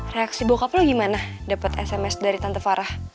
reaksi bokap lo gimana dapat sms dari tante farah